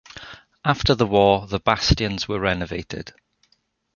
After the war the bastions were renovated.